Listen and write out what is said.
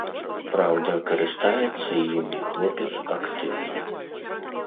Праўда, карыстаецца імі хлопец актыўна.